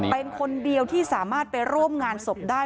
เป็นคนเดียวที่สามารถไปร่วมงานศพได้